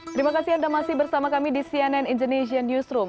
terima kasih anda masih bersama kami di cnn indonesian newsroom